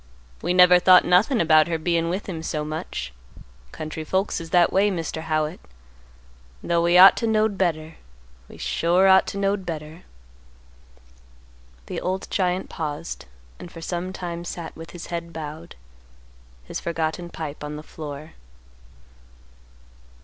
We never thought nothin' about her bein' with him so much. Country folks is that way, Mr. Howitt, 'though we ought to knowed better; we sure ought to knowed better." The old giant paused and for some time sat with his head bowed, his forgotten pipe on the floor.